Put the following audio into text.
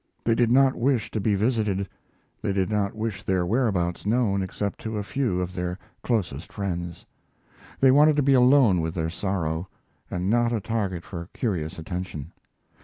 They did not wish to be visited; they did not wish their whereabouts known except to a few of their closest friends. They wanted to be alone with their sorrow, and not a target for curious attention.